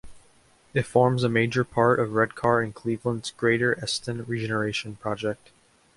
It forms a major part of Redcar and Cleveland's Greater Eston regeneration project.